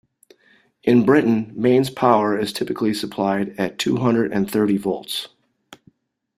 In Britain, mains power is typically supplied at two hundred and thirty volts